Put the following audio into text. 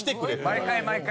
毎回毎回。